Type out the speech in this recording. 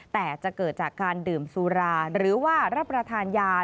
แต่จะเกิดจากการดื่มสุราหรือว่ารับประทานยา